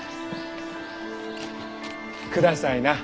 くださいな。